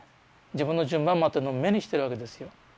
自分の順番待ってるのを目にしてるわけですよ。